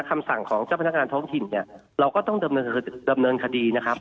คำสั่งของเจ้าพนักงานท้องถิ่นเนี่ยเราก็ต้องดำเนินคดีนะครับ